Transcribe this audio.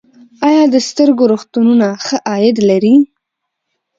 آیا د سترګو روغتونونه ښه عاید لري؟